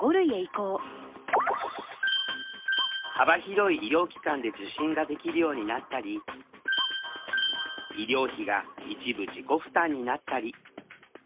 幅広い医療機関で受診ができるようになったり医療費が一部自己負担になったり。